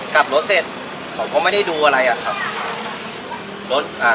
กลับรถเสร็จเขาก็ไม่ได้ดูอะไรอ่ะครับรถอ่า